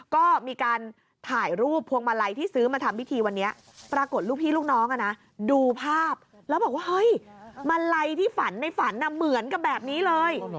ก็มีการถ่ายรูปพวงมาลัยที่ซื้อมาทำพิธีวันนี้ปรากฏลูกพี่ลูกน้องดูภาพแล้วบอกว่าเฮ้ยมาลัยที่ฝันในฝันเหมือนกับแบบนี้เลย